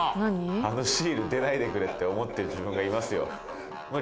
あのシール出ないでくれって思ってる自分がいますよ。